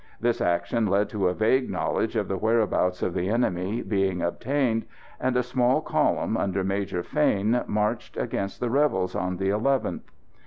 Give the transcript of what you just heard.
This action led to a vague knowledge of the whereabouts of the enemy being obtained, and a small column, under Major Fane, marched against the rebels on the 11th.